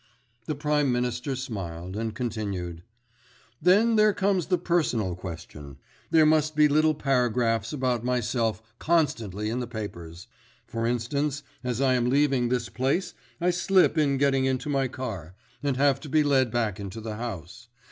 The Prime Minister smiled, and continued: "Then there comes the personal question. There must be little paragraphs about myself constantly in the papers. For instance, as I am leaving this place I slip in getting into my car, and have to be led back into the house.